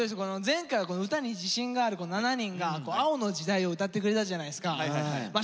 前回歌に自信がある７人が「青の時代」を歌ってくれたじゃないですか。